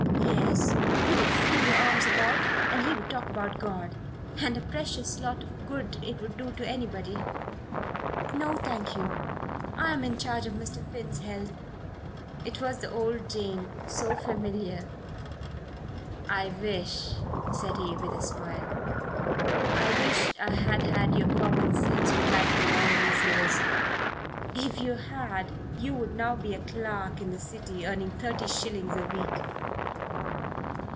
"Yes. You would fling your arms about, and he would talk about God, and a precious lot of good it would do to anybody. No, thank you. I'm in charge of Mr. Finn's health." It was the old Jane, so familiar. "I wish," said he, with a smile "I wish I had had your common sense to guide me all these years." "If you had, you would now be a clerk in the City earning thirty shillings a week."